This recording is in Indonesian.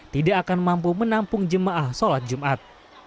tidak akan mampu menampung jemaah sholat jumat